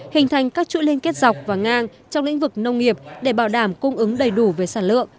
hình thành các chuỗi liên kết dọc và ngang trong lĩnh vực nông nghiệp để bảo đảm cung ứng đầy đủ về sản lượng